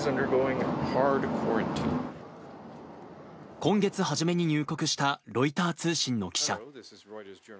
今月初めに入国したロイター通信の記者。